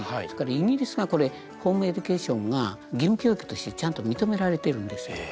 それからイギリスがこれホームエデュケーションが義務教育としてちゃんと認められてるんですよ。